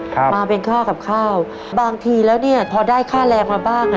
ครับมาเป็นค่ากับข้าวบางทีแล้วเนี้ยพอได้ค่าแรงมาบ้างอ่ะ